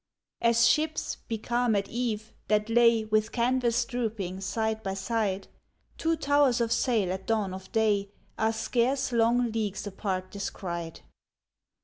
As ships, becalmed at eve, that lay With canvas drooping, side by side, Two towers of sail at dawn of day Are scarce long leagues apart descried.